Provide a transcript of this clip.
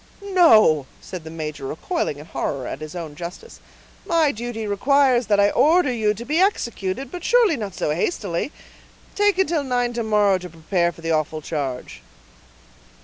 "No," said the major, recoiling in horror at his own justice. "My duty requires that I order you to be executed, but surely not so hastily; take until nine to morrow to prepare for the awful change."